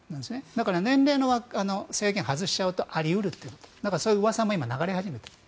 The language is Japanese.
だから年齢の制限を外すとあり得るということそういううわさも流れ始めている。